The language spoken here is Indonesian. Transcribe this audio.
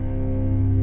sisi tuan j yuk